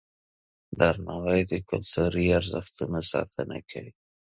درناوی د کلتوري ارزښتونو ساتنه کوي.